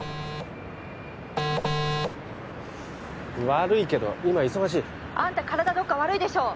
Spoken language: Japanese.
悪いけど今忙しい☎あんた体どっか悪いでしょ！